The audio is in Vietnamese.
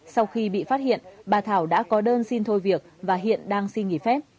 sau khi bị phát hiện bà thảo đã có đơn xin thôi việc và hiện đang xin nghỉ phép